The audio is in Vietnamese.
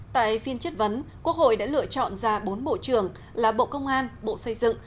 tại phiên chất vấn quốc hội đã lựa chọn ra bốn bộ trưởng là bộ công an bộ xây dựng